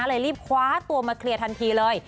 เลยรีบคว้าตัวมาเคลียร์ทันทีเลย